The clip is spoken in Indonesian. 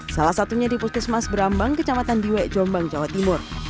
salah satunya di puskesmas berambang kecamatan diwe jombang jawa timur